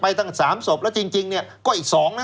ตั้ง๓ศพแล้วจริงเนี่ยก็อีก๒นะ